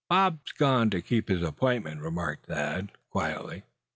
"Bob's gone to keep his appointment," remarked Thad, quietly.